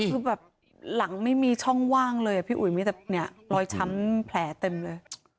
คือแบบหลังไม่มีช่องว่างเลยอ่ะพี่อุ๋ยมีแต่เนี่ยรอยช้ำแผลเต็มเลย